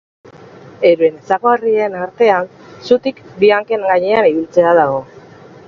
Euren ezaugarrien artean zutik bi hanken gainean ibiltzea dago.